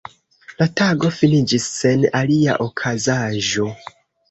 La tago finiĝis sen alia okazaĵo.